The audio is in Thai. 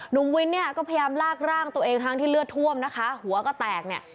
หนุ่มวินเนี่ยก็พยายามลากร่างตัวเองทั้งที่เลือดท่วมนะคะหัวก็แตกเนี่ย